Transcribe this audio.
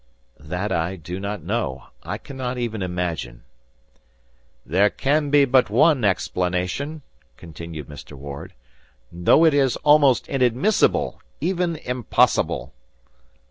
"That I do not know. I cannot even imagine." "There can be but one explanation," continued Mr. Ward, "though it is almost inadmissible, even impossible."